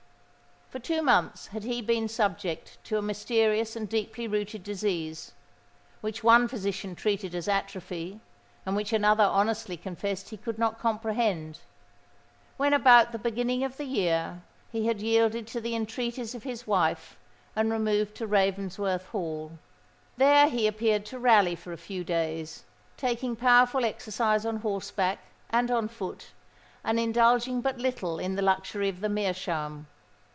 For two months had he been subject to a mysterious and deeply rooted disease,—which one physician treated as atrophy, and which another honestly confessed he could not comprehend,—when about the beginning of the year, he had yielded to the entreaties of his wife and removed to Ravensworth Hall. There he appeared to rally for a few days,—taking powerful exercise on horseback and on foot, and indulging but little in the luxury of the meerschaum.